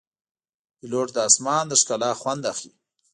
پیلوټ د آسمان د ښکلا خوند اخلي.